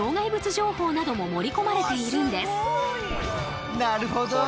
情報なども盛り込まれているんです。